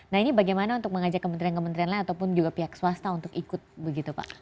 nah ini bagaimana untuk mengajak kementerian kementerian lain ataupun juga pihak swasta untuk ikut begitu pak